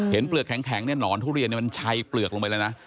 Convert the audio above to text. เปลือกแข็งเนี่ยหนอนทุเรียนมันชัยเปลือกลงไปเลยนะ